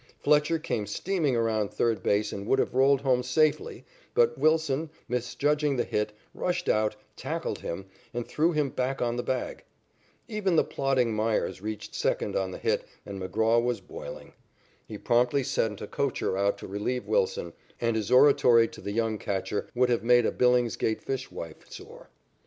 Fletcher came steaming around third base and could have rolled home safely, but Wilson, misjudging the hit, rushed out, tackled him, and threw him back on the bag. Even the plodding Meyers reached second on the hit and McGraw was boiling. He promptly sent a coacher out to relieve Wilson, and his oratory to the young catcher would have made a Billingsgate fishwife sore.